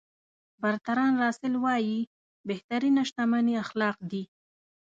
برتراند راسل وایي بهترینه شتمني اخلاق دي.